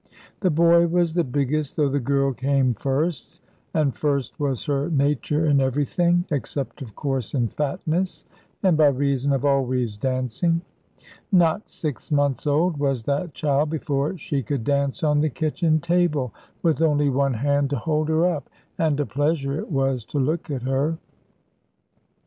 The boy was the biggest, though the girl came first; and first was her nature in everything, except, of course, in fatness, and by reason of always dancing. Not six months old was that child before she could dance on the kitchen table with only one hand to hold her up, and a pleasure it was to look at her.